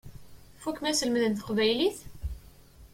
Tfukkem aselmed n teqbaylit?